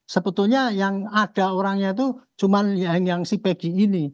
sebetulnya yang ada orangnya itu cuma yang si pegi ini